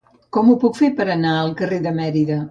Com ho puc fer per anar al carrer de Mérida?